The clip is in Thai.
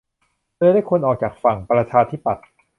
เรือเล็กควรออกจากฝั่ง ประชาธิปัตย์